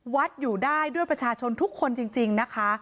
วัดอยู่ได้ด้วยประชาชนทุกคนจริงนะคะ